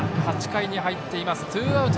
８回に入っています。